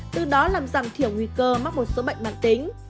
từ đó làm giảm thiểu nguy cơ mắc một số bệnh mạng tính